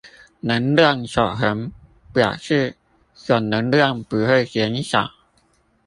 能量守恆表示總能量不會減少